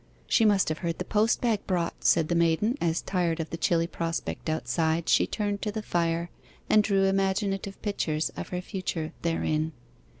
'She must have heard the post bag brought,' said the maiden, as, tired of the chilly prospect outside, she turned to the fire, and drew imaginative pictures of her future therein.